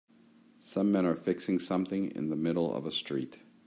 Some men are fixing something in the middle of a street.